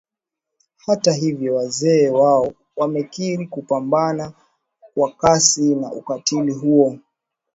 Hata hivyo wazee hao wamekiri kupambana kwa kasi na ukatili huo